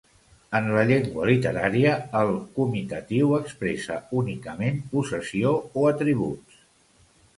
En la llengua literària, el comitatiu expressa únicament possessió o atributs.